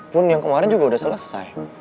pun yang kemaren juga udah selesai